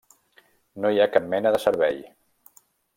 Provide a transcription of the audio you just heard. No hi ha cap mena de servei.